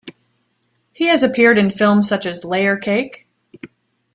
He has appeared in films such as "Layer Cake".